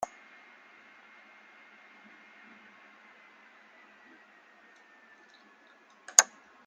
Chris se une al grupo.